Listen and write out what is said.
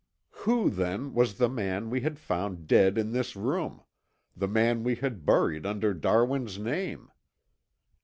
Who, then, was the man we had found dead in this room, the man we had buried under Darwin's name?